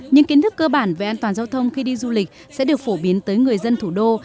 những kiến thức cơ bản về an toàn giao thông khi đi du lịch sẽ được phổ biến tới người dân thủ đô